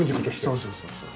そうそうそうそう。